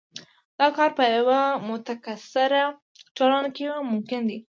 دا کار په یوه متکثره ټولنه کې ممکنه ده.